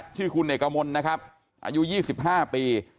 ชื่อคุณเอกมลนะครับอายุ๒๕ปี